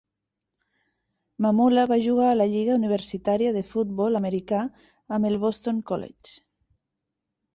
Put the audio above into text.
Mamula va jugar a la lliga universitària de futbol americà amb el Boston College.